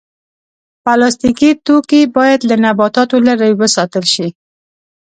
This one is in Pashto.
پلاستيکي توکي باید له نباتاتو لرې وساتل شي.